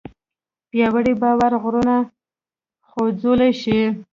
پیاوړی باور غرونه خوځولی شي.